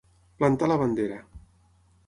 Plantar la bandera.